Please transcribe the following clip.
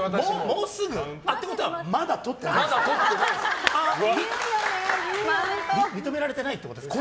もうすぐ？ってことはまだとってないんですか。